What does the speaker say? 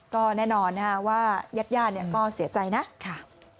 ก็แน่นอนว่ายาดก็เสียใจนะ